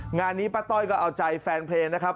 งานนี้ป้าต้อยก็เอาใจแฟนเพลงนะครับ